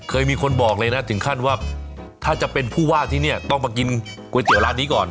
เคยมีคนบอกเลยนะถึงขั้นว่าถ้าจะเป็นผู้ว่าที่เนี่ยต้องมากินก๋วยเตี๋ยวร้านนี้ก่อน